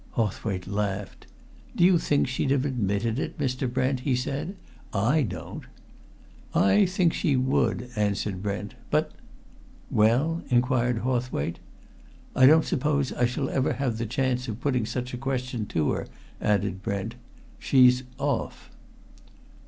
Hawthwaite laughed. "Do you think she'd have admitted it, Mr. Brent?" he said. "I don't!" "I think she would," answered Brent. "But " "Well?" inquired Hawthwaite. "I don't suppose I shall ever have the chance of putting such a question to her," added Brent. "She's off!"